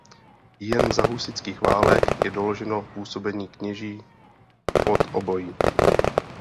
Jen za husitských válek je doloženo působení kněží podobojí.